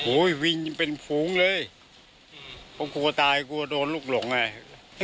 โอ้ยวิ่งเป็นผูงเลยเพราะกลัวตายกลัวโดนลูกหลงอ่ะ